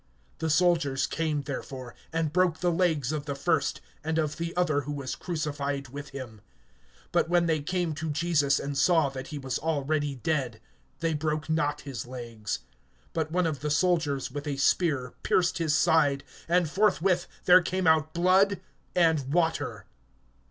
(32)The soldiers came, therefore, and broke the legs of the first, and of the other who was crucified with him. (33)But when they came to Jesus, and saw that he was already dead, they broke not his legs. (34)But one of the soldiers with a spear pierced his side, and forthwith there came out blood and water.